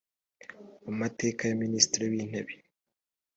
amateka ya minisitiri w intebe